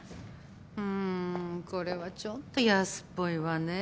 うんこれはちょっと安っぽいわねぇ。